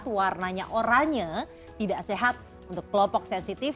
warnanya oranye tidak sehat untuk kelompok sensitif